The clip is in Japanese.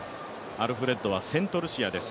アルフレッドはセントルシアです。